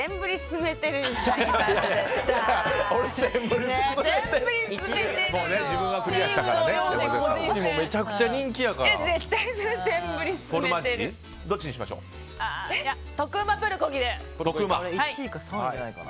めちゃくちゃ人気やから。